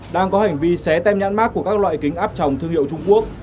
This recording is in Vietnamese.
đang có hành vi xé tem nhãn mát của các loại kính áp trồng thương hiệu trung quốc